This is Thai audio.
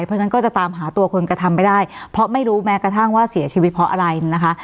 เพราะฉะนั้นก็จะตามหาตัวคนกระทำไม่ได้เพราะไม่รู้แม้กระทั่งว่าเสียชีวิตเพราะอะไรนะคะ